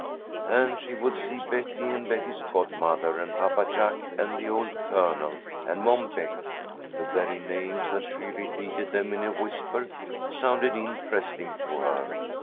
And she would see Betty and Betty's godmother and Papa Jack and the old Colonel and Mom Beck. The very names, as she repeated them in a whisper, sounded interesting to her.